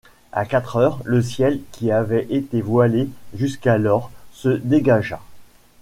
À quatre heures, le ciel qui avait été voilé jusqu’alors, se dégagea.